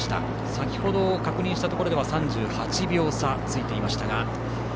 先程、確認したところでは３８秒差ついていましたが。